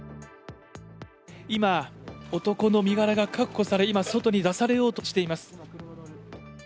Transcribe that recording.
今、男の身柄が確保され、今、外に出されようとしています。